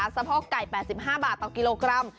สะโพกไก่๘๕บาทต่อกิโลกรัม